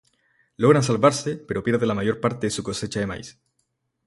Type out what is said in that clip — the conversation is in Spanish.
Logran salvarse, pero pierden la mayor parte de su cosecha de maíz.